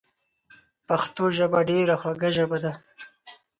پښتو ژبه ډیره خوږه ژبه ده